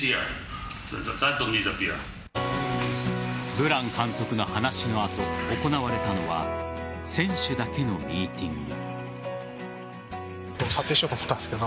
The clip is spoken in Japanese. ブラン監督の話の後行われたのは選手だけのミーティング。